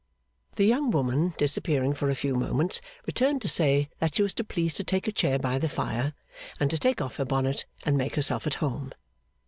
The young woman, disappearing for a few moments, returned to say that she was to please to take a chair by the fire, and to take off her bonnet and make herself at home.